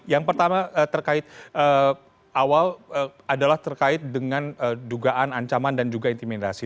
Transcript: yang pertama terkait awal adalah terkait dengan dugaan ancaman dan juga intimidasi